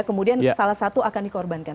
kemudian salah satu akan dikorbankan